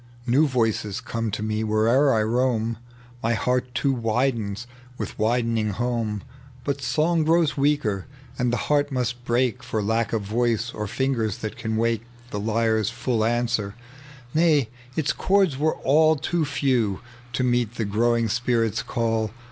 " New voices come to me where'er I roam. My heart too widens with its widening home : But song grows weaker, and the heart must break For lack of voice, or fingers that can wake .tec bv Google THE LEGEND OP JUBAL.' Z9 The lyre's full answer ; nay, its chords were all Too few to meet the grooving spirit's call.